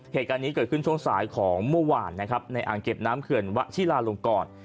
เหตุการณ์นี้เกิดขึ้นช่วงสายของเมื่อวานนะครับในอ่างเก็บน้ำเขื่อนวะชิลาลงกร